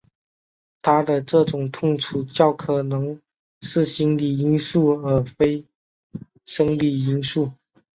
他的这种痛楚较可能是心理因素而非生理因素。